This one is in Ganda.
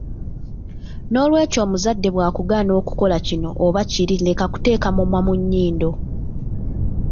N'olwekyo omuzadde bw'akugaana okukola kino oba kiri leka kuteeka mumwa mu nnyindo.